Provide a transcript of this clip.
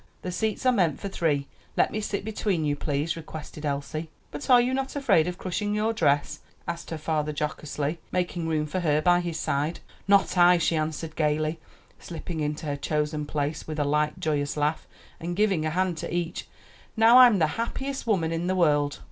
"The seats are meant for three; let me sit between you, please," requested Elsie. "But are you not afraid of crushing your dress?" asked her father jocosely, making room for her by his side. "Not I," she answered gayly, slipping into her chosen place with a light, joyous laugh, and giving a hand to each. "Now I'm the happiest woman in the world."